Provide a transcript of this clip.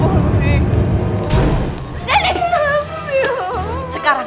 tapi sekarang aku sudah separately